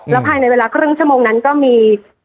ภายในเวลาครึ่งชั่วโมงนั้นก็มี